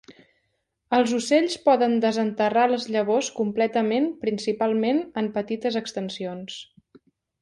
Els ocells poden desenterrar les llavors completament principalment en petites extensions.